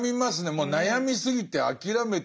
もう悩みすぎて諦めてる。